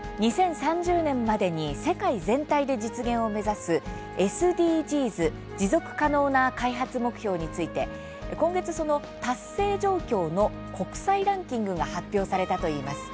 ２０３０年までに世界全体で実現を目指すＳＤＧｓ持続可能な開発目標について今月、その達成状況の国際ランキングが発表されたといいます。